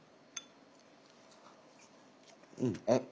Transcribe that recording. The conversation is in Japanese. うんあっ。